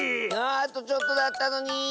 ああとちょっとだったのに。